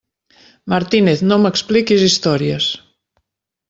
Martínez, no m'expliquis històries!